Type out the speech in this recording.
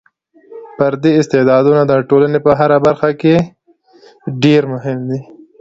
فردي استعدادونه د ټولنې په هره برخه کې ډېر مهم دي.